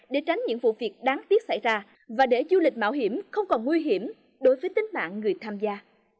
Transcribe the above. để tránh những vụ việc đáng tiếc xảy ra và để du lịch mạo hiểm không còn nguy hiểm đối với tính mạng người tham gia